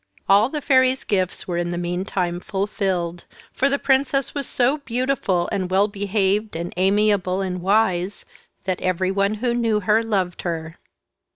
All the fairies' gifts were in the meantime fulfilled; for the princess was so beautiful, and well behaved, and amiable, and wise, that everyone who knew her loved her.